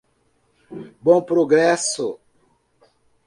Bom Progresso